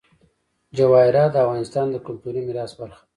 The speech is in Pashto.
جواهرات د افغانستان د کلتوري میراث برخه ده.